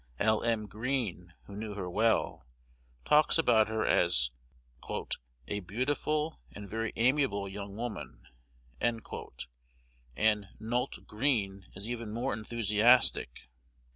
L. M. Greene, who knew her well, talks about her as "a beautiful and very amiable young woman;" and "Nult" Greene is even more enthusiastic.